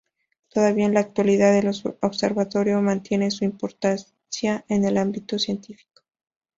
Todavía en la actualidad el observatorio mantiene su importancia en el ámbito científico.